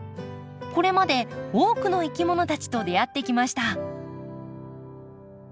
これまで多くのいきものたちと出会ってきました。